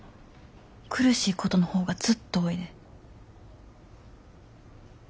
苦しいことの方がずっと多いで。